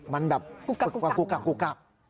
มันแบบกุกกับ